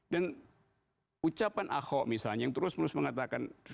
dan ucapan ahok misalnya yang terus menerus mengatakan